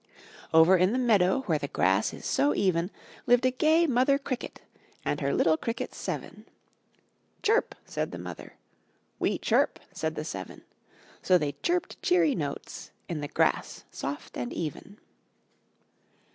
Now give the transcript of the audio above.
Over in the meadow, Where the grass is so even, Lived a gay mother cricket And her little crickets seven, "Chirp," said the mother; "We chirp," said the seven; So they chirped cheery notes In the grass soft and even.